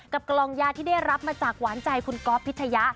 กล่องยาที่ได้รับมาจากหวานใจคุณก๊อฟพิชยะ